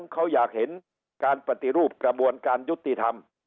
เขาอยากเห็นการปฏิรูปกระบวนการยุติธรรม